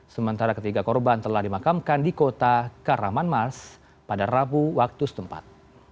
sementara ketiga korban telah dimakamkan di kota karamanmas pada rabu waktu setempat